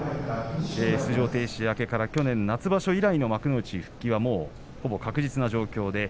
出場停止明けから去年の夏場所以来から幕内復帰はほぼ確実な状況です。